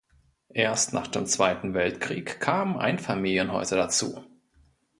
Erst nach dem Zweiten Weltkrieg kamen Einfamilienhäuser dazu.